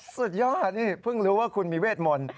สุดยอดนี่เพิ่งรู้ว่าคุณมีเวทมนต์